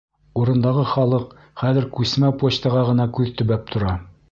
Урындағы халыҡ хәҙер күсмә почтаға ғына күҙ төбәп тора.